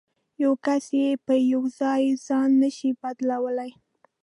یو کس یې په یوازې ځان نه شي بدلولای.